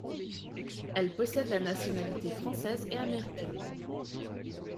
Elle possède la nationalité française et américaine.